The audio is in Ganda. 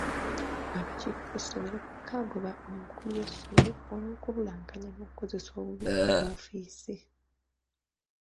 Akakiiko k'essomero kagoba omukulu w'essomero olw'okubulankanya n'okukozesa obubi woofiisi.